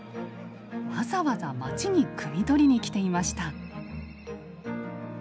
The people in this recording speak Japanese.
わざわざ町にくみ取りに来ていました。